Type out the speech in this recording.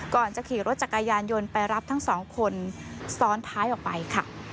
ก่อนจะขี่รถจักรยานยนต์ไปรับทั้งสองคนซ้อนท้ายออกไปค่ะ